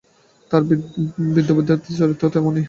তাঁর বিদ্যাবুদ্ধিও যেমন চরিত্রও তেমনি।